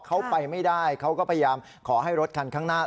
เขาไปไม่ได้เขาก็พยายามขอให้รถคันข้างหน้า